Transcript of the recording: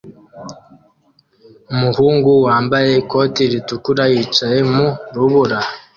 Umuhungu wambaye ikoti ritukura yicaye mu rubura